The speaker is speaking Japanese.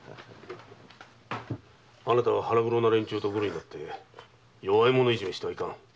あなたは腹黒な連中とぐるになり弱い者いじめしてはいかん。